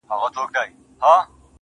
صندان د محبت دي په هر واري مخته راسي.